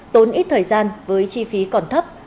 tốn ít thời gian với chi phí còn thấp